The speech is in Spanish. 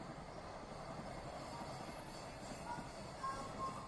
Deep-Space Communication Centers